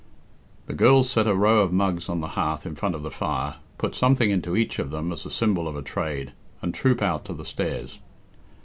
The girls set a row of mugs on the hearth in front of the fire, put something into each of them as a symbol of a trade, and troop out to the stairs.